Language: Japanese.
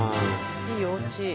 いいおうち。